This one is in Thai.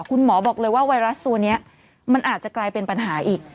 คุณหมอบอกเลยว่าไวรัสตัวนี้มันอาจจะกลายเป็นปัญหาอีก